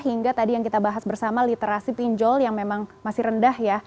hingga tadi yang kita bahas bersama literasi pinjol yang memang masih rendah ya